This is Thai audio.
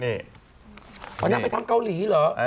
อ๋อนั่งไปทำเกาหลีเหรอ